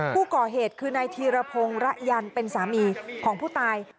ผู้ก่อเหตุคือนายธีรพงศ์ระยันเป็นสามีของผู้ตาย